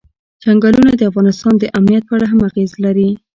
چنګلونه د افغانستان د امنیت په اړه هم اغېز لري.